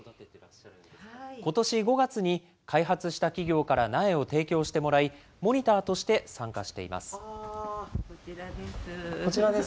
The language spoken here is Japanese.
ことし５月に開発した企業から苗を提供してもらい、モニターとして参加しています。